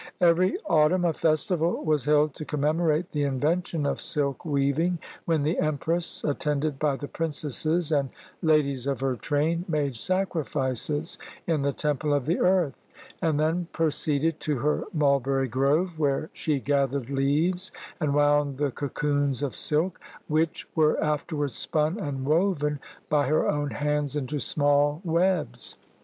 Every autumn a festival was held to commemorate the invention of silk weaving, when the empress, attended by the princesses and ladies of her train, made sacrifices in the temple of the Earth, and then proceeded to her mulberry grove, where she gathered leaves and wound the cocoons of silk, which were afterward spun and woven by her own hands into small webs.